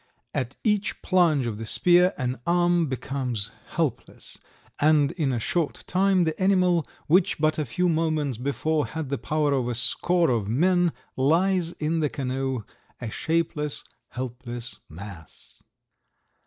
At each plunge of the spear, an arm becomes helpless and in a short time the animal, which but a few moments before had the power of a score of men, lies in the canoe, a shapeless, helpless mass.